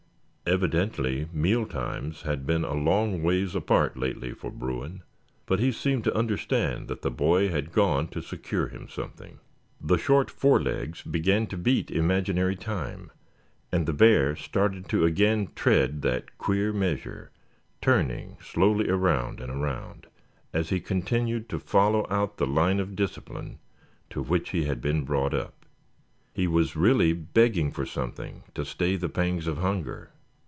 Evidently mealtimes had been a long ways apart lately for Bruin; but he seemed to understand that the boy had gone to secure him something. The short forelegs began to beat imaginary time, and the bear started to again tread that queer measure, turning slowly around and around as he continued to follow out the line of discipline to which he had been brought up. He was really begging for something to stay the pangs of hunger.